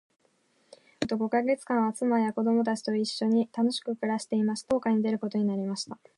私は家に戻ると五ヵ月間は、妻や子供たちと一しょに楽しく暮していました。が、再び航海に出ることになりました。